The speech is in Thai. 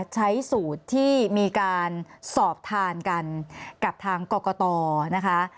ใช้สูตรที่มีการสอบทานกันกับทางกรกตนะคะ